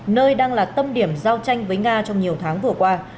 nơi đang là tâm điểm giao tranh với nga trong nhiều tháng vừa qua